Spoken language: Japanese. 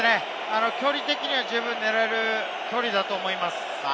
距離的には十分狙える距離だと思います。